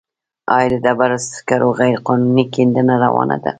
آیا د ډبرو سکرو غیرقانوني کیندنه روانه ده؟